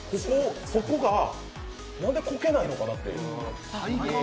そこが、なんでこけないのかなって。